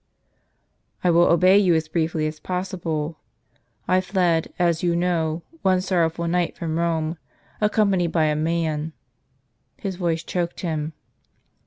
" I will obey you as briefly as possible. I fled, as you know, one sorrowful night from Rome, accompanied by a man "— his voice choked him.